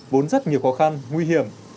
vốn rất nhiều khó khăn nguy hiểm